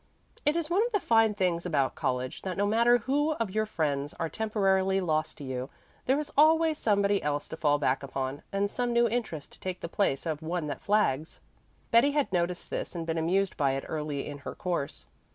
It is one of the fine things about college that no matter who of your friends are temporarily lost to you, there is always somebody else to fall back upon, and some new interest to take the place of one that flags. Betty had noticed this and been amused by it early in her course.